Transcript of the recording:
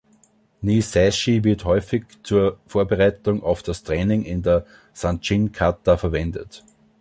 Niseishi wird häufig zur Vorbereitung auf das Training in der Sanchin-Kata verwendet.